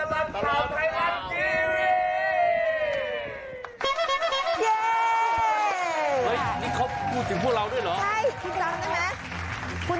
ที่จำได้ไหมคุณคุ้นไหม